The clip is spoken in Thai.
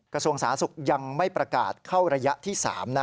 กระทรวงสาธารณสุขยังไม่ประกาศเข้าระยะที่๓นะ